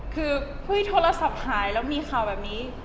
คือเฮ้ยโทรศัพท์หายแล้วมีข่าวแบบนี้